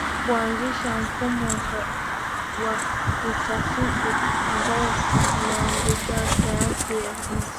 kuanzisha mfumo wa kitaasisi ambao umeunganisha sayansi na sera